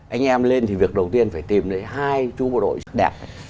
anh em lên thì việc đầu tiên phải tìm thấy hai chú bộ đội đẹp